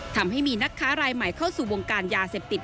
ทำให้มีนักค้ารายใหม่เข้าสู่วงการยาเสพติด